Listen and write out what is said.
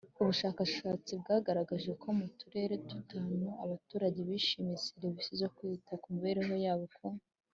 Ubushakashatsi bwagaragaje ko mu turere tutanu abaturage bishimiye serivisi zo kwita ku mibereho yabo ku